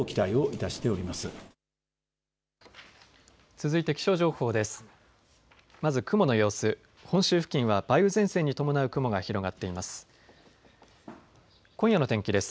続いて気象情報です。